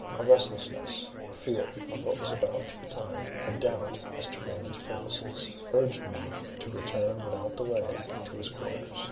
A restlessness, a fear of what was about to betide, a doubt as to Raymond's purposes, urged me to return without delay to his quarters.